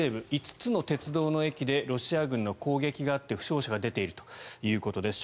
５つの鉄道の駅でロシア軍の攻撃があって負傷者が出ているということです。